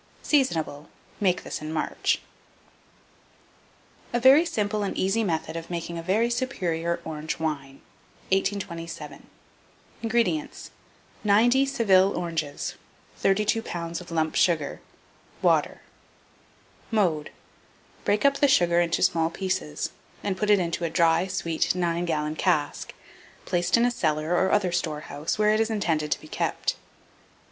Seasonable. Make this in March. A VERY SIMPLE AND EASY METHOD OF MAKING A VERY SUPERIOR ORANGE WINE. 1827. INGREDIENTS. 90 Seville oranges, 32 lbs. of lump sugar, water. Mode. Break up the sugar into small pieces, and put it into a dry, sweet 9 gallon cask, placed in a cellar or other storehouse, where it is intended to be kept.